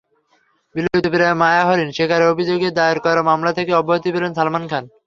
বিলুপ্তপ্রায় মায়াহরিণ শিকারের অভিযোগে দায়ের করা মামলা থেকে অব্যাহতি পেলেন সালমান খান।